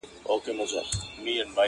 پسرلیه نن دي رنګ د خزان راوی,